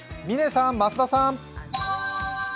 嶺さん、増田さん。